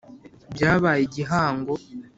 byabaye igihango